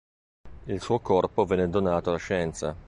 Il suo corpo venne donato alla scienza.